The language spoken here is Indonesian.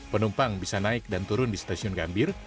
penumpang bisa naik dan turun di stasiun gambir